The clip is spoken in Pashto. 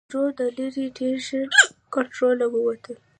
د ترور دا لړۍ ډېر ژر له کنټروله ووتله.